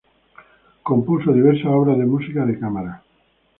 Compuso diversas obras de música de cámara.